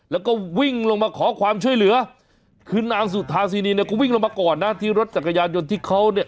แล้วก็วิ่งลงมาขอความช่วยเหลือคือนางสุธาซีนีเนี่ยก็วิ่งลงมาก่อนนะที่รถจักรยานยนต์ที่เขาเนี่ย